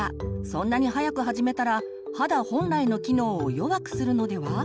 そんなに早く始めたら肌本来の機能を弱くするのでは？